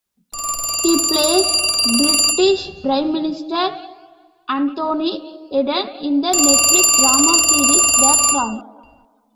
He plays British Prime Minister Anthony Eden in the Netflix drama series, "The Crown".